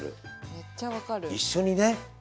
めっちゃ分かる。